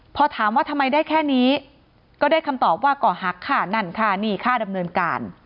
พอถามว่าทำไมได้แค่นี้ก็ได้คำตอบว่าก็หักค่านั่นค่านี่ค่าดำเนินการ